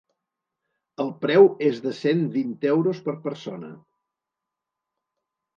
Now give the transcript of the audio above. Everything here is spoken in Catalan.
El preu és de cent vint euros per persona.